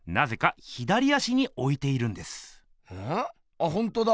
あほんとだ。